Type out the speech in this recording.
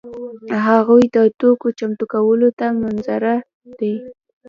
هغوی د توکو چمتو کولو ته منتظر دي.